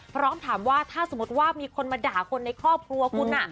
พร้อมถามว่าถ้าสมมติว่ามีคนมาด่าคนในครอบครัวคุณ